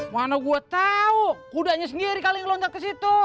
mana gue tau kudanya sendiri kali yang loncat ke situ